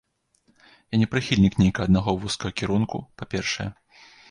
Я не прыхільнік нейкага аднаго вузкага кірунку, па-першае.